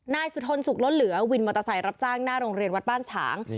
นายสุธนสุขล้นเหลือวินมอเตอร์ไซค์รับจ้างหน้าโรงเรียนวัดบ้านฉาง